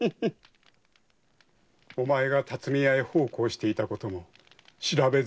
お前が巽屋へ奉公していたことも調べ済みだよ。